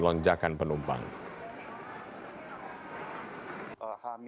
lonjakan penumpang yang telah menambah penerbangan ekstra untuk mengakomodasi